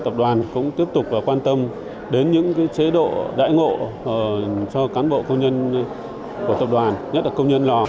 tập đoàn cũng tiếp tục quan tâm đến những chế độ đại ngộ cho cán bộ công nhân của tập đoàn nhất là công nhân lò